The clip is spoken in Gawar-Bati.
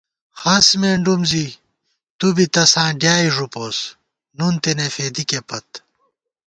ہَس مېنڈُوم زی تُو بی تساں ڈیائےݫُپوس، نُن تېنے فېدِکےپت